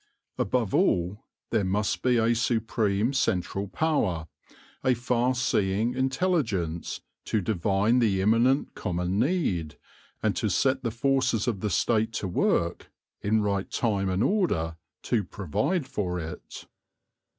Above all, there must be a supreme central power, a far seeing intelligence, to divine the imminent common need, and to set the forces of the State to work, in right time and order, to provide for it.